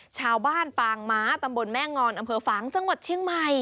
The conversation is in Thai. ปางม้าตำบลแม่งอนอำเภอฝางจังหวัดเชียงใหม่